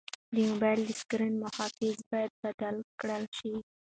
د موبایل د سکرین محافظ باید بدل کړل شي.